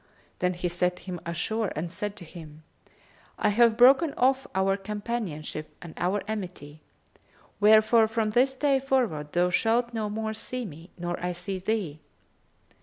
Then he set him ashore and said to him, "I have broken off our companionship and our amity; wherefore from this day forward thou shalt no more see me, nor I see thee."